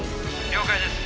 「了解です」